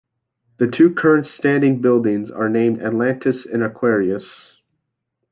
The two current standing buildings are named Atlantis and Aquarius.